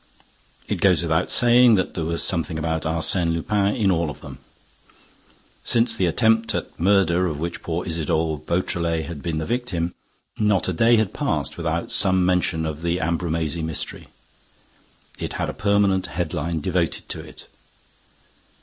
It goes without saying that there was something about Arsène Lupin in all of them. Since the attempt at murder of which poor Isidore Beautrelet had been the victim, not a day had passed without some mention of the Ambrumésy mystery. It had a permanent headline devoted to it.